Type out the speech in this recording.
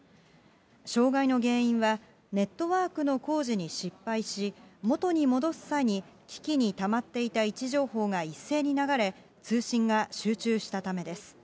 障害の原因は、ネットワークの工事に失敗し、元に戻す際に機器にたまっていた位置情報が一斉に流れ、通信が集中したためです。